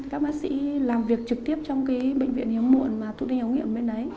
các bác sĩ làm việc trực tiếp trong cái bệnh viện hiếm muộn mà thủ thi hướng nghiệm bên đấy